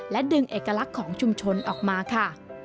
ดึงเอกลักษณ์ของชุมชนออกมาค่ะ